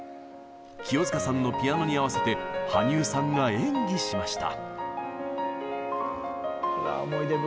清塚さんのピアノに合わせて羽生さんが演技しました。